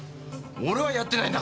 俺はやってないんだから。